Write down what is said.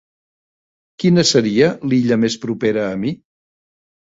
Quina seria l'illa més propera a mi?